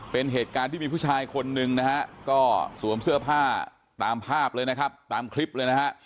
เป็นเหตุการณ์ที่มีผู้ชายคนหนึ่งนะฮะก็สวมเสื้อผ้าตามภาพเลยนะครับตามคลิปเลยนะฮะ